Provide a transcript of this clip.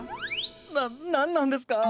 な何なんですか？